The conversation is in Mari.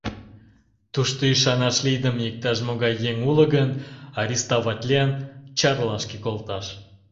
Тушто ӱшанаш лийдыме иктаж-могай еҥ уло гын, арестоватлен, Чарлашке колташ».